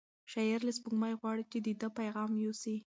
شاعر له سپوږمۍ غواړي چې د ده پیغام یوسي.